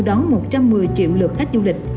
đón một trăm một mươi triệu lượt khách du lịch